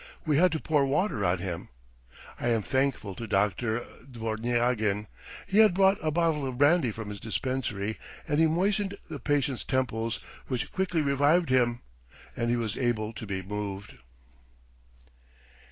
We had to pour water on him. ... I am thankful to Doctor Dvornyagin: he had brought a bottle of brandy from his dispensary and he moistened the patient's temples, which quickly revived him, and he was able to be moved.